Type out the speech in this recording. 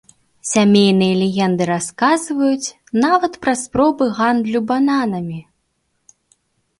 Сямейныя легенды расказваюць нават пра спробы гандлю бананамі.